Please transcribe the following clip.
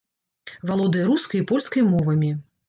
Валодае рускай і польскай мовамі.